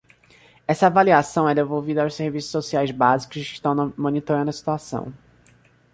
Essa avaliação é devolvida aos serviços sociais básicos que estão monitorando a situação.